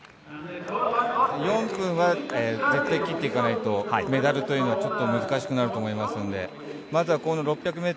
４分は絶対切っていかないとメダルというのは難しくなると思いますのでまずは６００ｍ。